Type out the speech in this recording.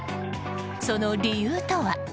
その理由とは？